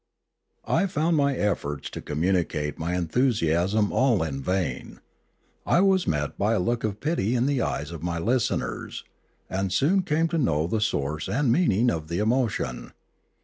I found my efforts to communicate my enthusiasm all in vain. I was met by a look of pity in the eyes of my listeners, and soon came to know the source and mean ing of the emotion.